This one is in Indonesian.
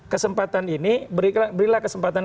kesempatan ini berilah kesempatan